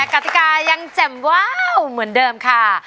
กติกายังแจ่มว้าวเหมือนเดิมค่ะ